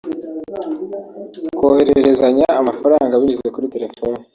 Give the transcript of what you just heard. kohererezanya amafaranga binyuze kuri telefoni